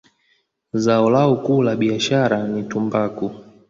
Zao lao kuu la biashara ni tumbaku.